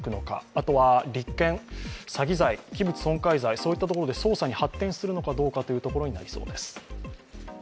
あとは立件、詐欺罪、器物損壊罪、そういったところで捜査に発展するのかといったことになりそうです。